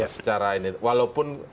secara ini walaupun